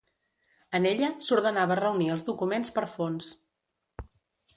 En ella s'ordenava reunir els documents per fons.